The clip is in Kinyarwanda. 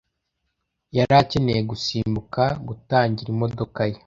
yari akeneye gusimbuka gutangira imodoka ye.